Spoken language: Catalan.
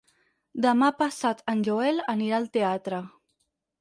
Demà passat en Joel anirà al teatre.